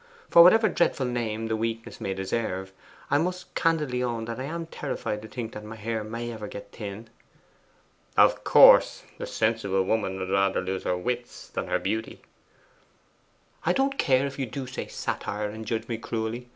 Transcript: For whatever dreadful name the weakness may deserve, I must candidly own that I am terrified to think my hair may ever get thin.' 'Of course; a sensible woman would rather lose her wits than her beauty.' 'I don't care if you do say satire and judge me cruelly.